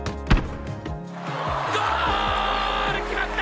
ゴール‼決まった！